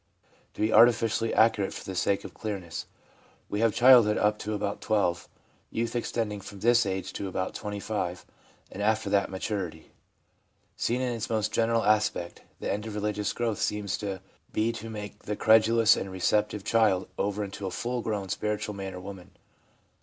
To be artificially accurate for the sake of clearness, we have childhood up to about 12, youth extending from this age to about 25, and after that maturity. Seen in its most general aspect, the end of religious growth seems to be to make the credulous and receptive child over into a full grown spiritual man or woman.